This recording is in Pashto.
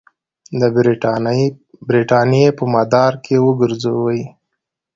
د برټانیې په مدار کې وګرځوي.